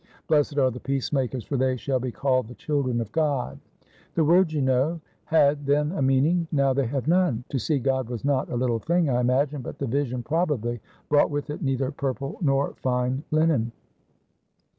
Blessed are the peacemakers, for they shall be called the children of God.' The words, you know, had then a meaning. Now they have none. To see God was not a little thing, I imagine, but the vision, probably, brought with it neither purple nor fine linen.